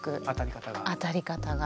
当たり方が？